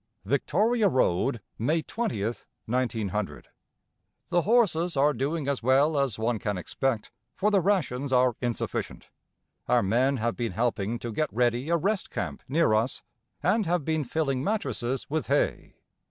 Victoria Road, May 20th, 1900. The horses are doing as well as one can expect, for the rations are insufficient. Our men have been helping to get ready a rest camp near us, and have been filling mattresses with hay.